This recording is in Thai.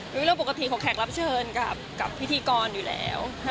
เรื่องปกติของแขกรับเชิญกับพิธีกรอยู่แล้ว